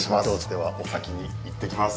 ではお先に行ってきます。